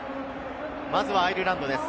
まずはアイルランドです。